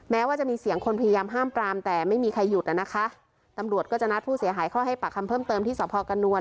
แม้ว่าจะมีเสียงคนพยายามห้ามปรามแต่ไม่มีใครหยุดอ่ะนะคะตำรวจก็จะนัดผู้เสียหายเข้าให้ปากคำเพิ่มเติมที่สพกระนวล